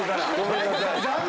残念！